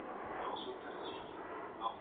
ټولنپوهنه یوه عامه او پراخه علمي څانګه ده.